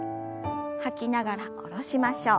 吐きながら下ろしましょう。